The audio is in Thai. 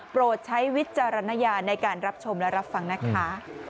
โปรดใช้วิจารณญาณในการรับชมและรับฟังนะคะ